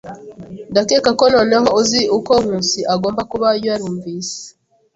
Ndakeka ko noneho uzi uko Nkusi agomba kuba yarumvise.